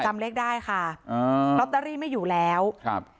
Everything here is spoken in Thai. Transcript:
จำเลขได้ค่ะอ่าลอตเตอรี่ไม่อยู่แล้วครับ